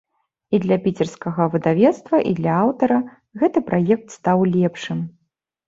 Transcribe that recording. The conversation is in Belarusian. І для піцерскага выдавецтва, і для аўтара гэты праект стаў лепшым.